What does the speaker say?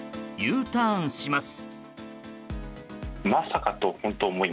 Ｕターンします。